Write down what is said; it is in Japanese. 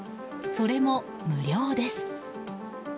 それも、無料です。